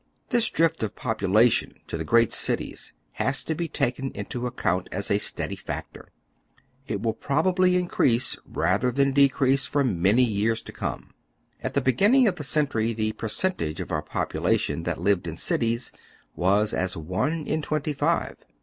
This drift of the popu lation to the great cities has to be taken into account as a steady factor. It will probably increase rather than de crease for many years to come. At the beginning of the century the percentage of our population that lived in cities was as one in twenty five.